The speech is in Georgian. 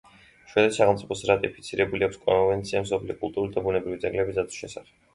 შვედეთის სახელმწიფოს რატიფიცირებული აქვს კონვენცია მსოფლიო კულტურული და ბუნებრივი ძეგლების დაცვის შესახებ.